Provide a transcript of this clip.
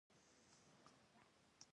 ایا ستاسو بوی به خوشبويه نه وي؟